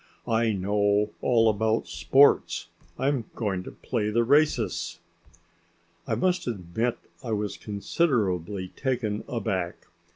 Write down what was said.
"I know all about sports. I'm going to play the races!" I must admit I was considerably taken aback.